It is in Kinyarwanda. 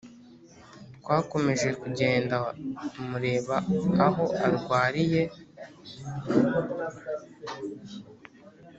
twakomeje kugenda kumureba aho arwariye